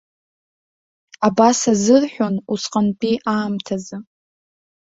Абас азырҳәон усҟантәи аамҭазы.